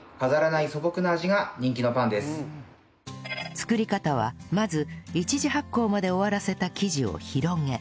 作り方はまず１次発酵まで終わらせた生地を広げ